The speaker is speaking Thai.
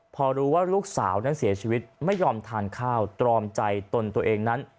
พอรู้ว่าลูกสาวนั้นเสียชีวิตไม่ยอมทานข้าวตรอมใจตนตัวเองนั้น